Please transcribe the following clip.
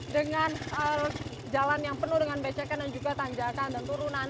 dengan jalan yang penuh dengan becekan dan juga tanjakan dan turunan